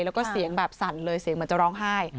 แล้วก็เสียงแบบสั่นเลยเสียงเหมือนจะร้องไห้